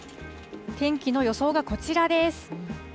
天気の予想がこちらです。